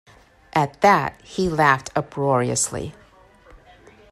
At that he laughed uproariously.